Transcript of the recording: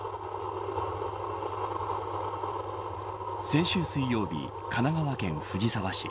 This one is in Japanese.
先週水曜日、神奈川県藤沢市